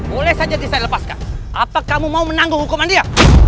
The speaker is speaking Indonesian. boleh saja saya lepaskan apa kamu mau menanggung hukuman dia